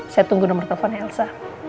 saya tunggu nomer telepon elsa